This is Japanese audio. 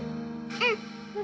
うん。